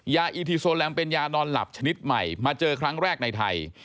อีทีโซแลมเป็นยานอนหลับชนิดใหม่มาเจอครั้งแรกในไทย